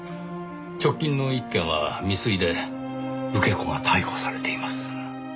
直近の１件は未遂で受け子が逮捕されています。